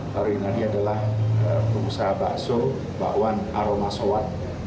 pak ruli rinaldi adalah pengusaha bakso bakwan aromasoan